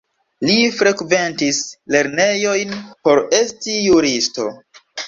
Li frekventis lernejojn por esti juristo.